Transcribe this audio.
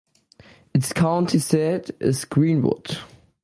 Its county seat is Greenwood.